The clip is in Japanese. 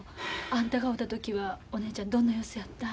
あんたが会うた時はお姉ちゃんどんな様子やった？